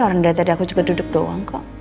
orang dari tadi aku juga duduk doang kok